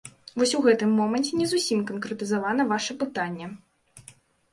Вось у гэтым моманце не зусім канкрэтызаванае ваша пытанне.